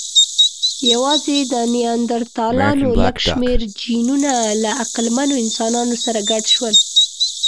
یواځې د نیاندرتالانو لږ شمېر جینونه له عقلمنو انسانانو سره ګډ شول.